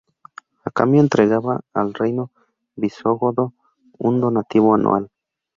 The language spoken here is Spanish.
A cambio entregaba al reino visigodo un donativo anual.